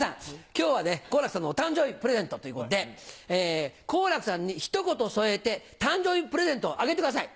今日はね好楽さんのお誕生日プレゼントということで好楽さんにひと言添えて誕生日プレゼントをあげてください。